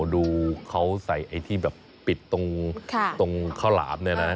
ดูเขาใส่ไอ้ที่แบบปิดตรงข้าวหลามเนี่ยนะ